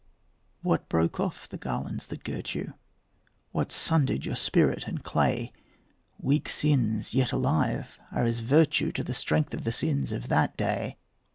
What broke off the garlands that girt you? What sundered you spirit and clay? Weak sins yet alive are as virtue To the strength of the sins of that day.